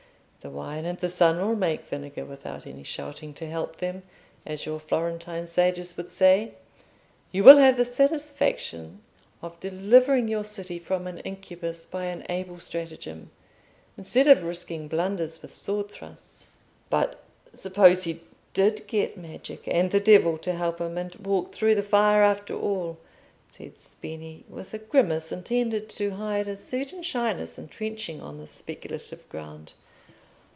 The wine and the sun will make vinegar without any shouting to help them, as your Florentine sages would say. You will have the satisfaction of delivering your city from an incubus by an able stratagem, instead of risking blunders with sword thrusts." "But suppose he did get magic and the devil to help him, and walk through the fire after all?" said Spini, with a grimace intended to hide a certain shyness in trenching on this speculative ground.